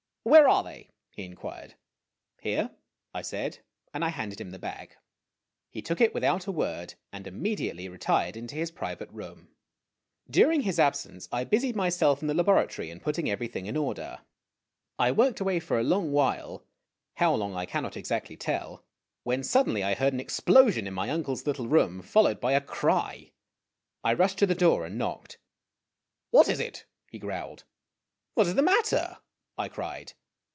" Where are they ?" he inquired. " Here," I said, and I handed him the bag. He took it without a word, and immediately retired into his private room. During his absence, I busied myself in the laboratory in put 178 IMAGINOTIONS ting everything in order. I worked away for a long while how long I cannot exactly tell when suddenly I heard an explosion in my uncle's little room, followed by a cry. I rushed to the door and knocked. "What is it? "he growled. "What is the matter?" I cried.